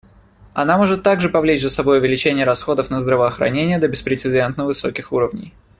Она может также повлечь за собой увеличение расходов на здравоохранение до беспрецедентно высоких уровней.